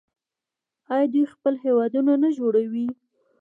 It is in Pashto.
آیا دوی خپل هیواد نه جوړوي؟